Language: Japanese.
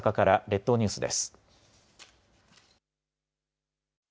列島ニュースです。